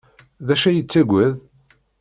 D acu ay yettaggad?